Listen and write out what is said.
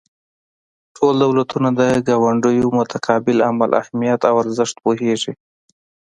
ټول دولتونه د ګاونډیو متقابل عمل اهمیت او ارزښت پوهیږي